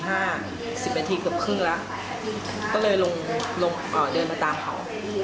สิบนาทีเกือบครึ่งแล้วก็เลยลงลงเดินมาตามเขา